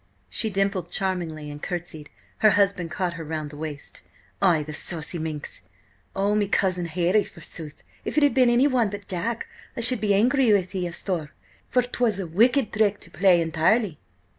She dimpled charmingly and curtsied. Her husband caught her round the waist. "Ay, the saucy minx! Oh, me cousin Harry, forsooth! If it had been anyone but Jack I should be angry with ye, asthore, for 'twas a wicked thrick to play entirely!"